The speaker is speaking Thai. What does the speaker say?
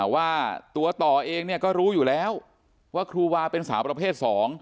ว่าตัวต่อเองเนี่ยก็รู้อยู่แล้วว่าครูวาเป็นสาวประเภท๒